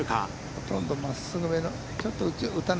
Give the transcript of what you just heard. ほとんどまっすぐ。